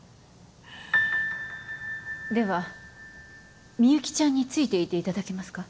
ではみゆきちゃんについていていただけますか？